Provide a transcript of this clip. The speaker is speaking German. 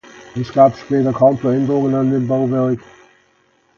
Es gab später kaum Veränderungen an dem Bauwerk.